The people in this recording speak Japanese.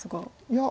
いや。